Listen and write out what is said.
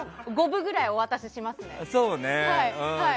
５部ぐらいお渡ししますね。